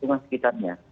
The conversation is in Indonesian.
di rumah sekitarnya